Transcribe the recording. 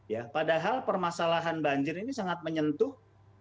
ya padahal permasalahan banjir ini sangat menyentuh